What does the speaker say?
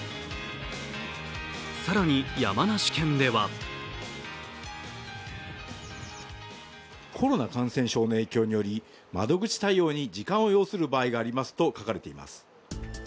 更に山梨県ではコロナ感染症の影響により窓口対応に時間を要する場合がありますと書かれています。